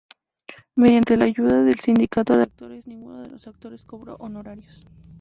Mediante la ayuda del Sindicato de Actores ninguno de los actores cobró honorarios.